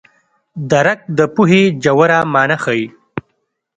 درک د پوهې ژوره مانا ښيي.